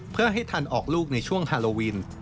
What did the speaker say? เพื่อให้ทันออกลูกในช่วงฮาโลวิน